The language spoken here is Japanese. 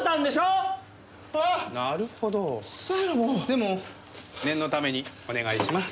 でも念のためにお願いします。